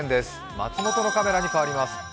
松本のカメラに変わります。